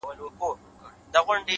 لوړ اخلاق دروازې پرانیزي’